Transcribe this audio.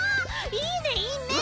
いいねいいね！